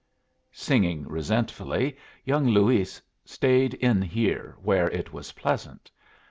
'" Singing resentfully, young Luis stayed in here, where it was pleasant.